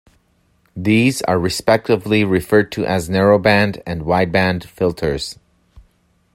These are respectively referred to as "narrow-band" and "wide-band" filters.